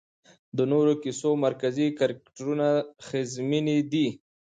د نورو د کيسو مرکزي کرکټرونه ښځمنې دي